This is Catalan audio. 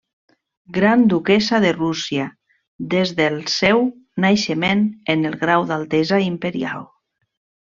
Gran duquessa de Rússia des del seu naixement en el grau d'altesa imperial.